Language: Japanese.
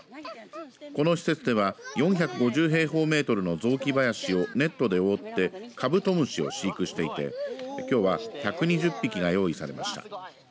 この施設では４５０平方メートルの雑木林をネットで覆ってカブトムシを飼育していてきょうは１２０匹が用意されました。